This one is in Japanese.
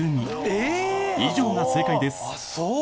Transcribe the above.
以上が正解です。